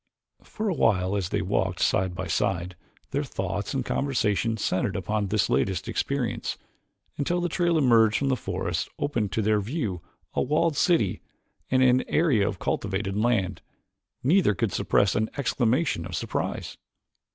For a while, as they walked side by side, their thoughts and conversation centered upon this latest experience, until the trail emerging from the forest opened to their view a walled city and an area of cultivated land. Neither could suppress an exclamation of surprise.